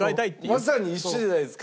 まさに一緒じゃないですか。